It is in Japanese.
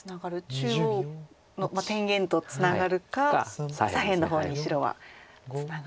中央の天元とツナがるか左辺の方に白はツナガリを求めるか。